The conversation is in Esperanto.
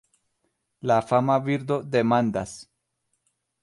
La fama birdo demandas: